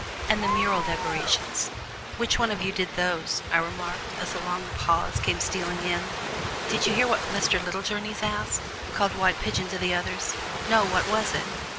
"And the mural decorations which one of you did those?" I remarked, as a long pause came stealing in. "Did you hear what Mr. Littlejourneys asked?" called White Pigeon to the others. "No; what was it?"